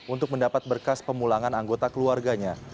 untuk mendapat berkas pemulangan anggota keluarganya